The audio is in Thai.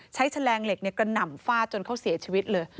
แฉลงเหล็กกระหน่ำฟาดจนเขาเสียชีวิตเลย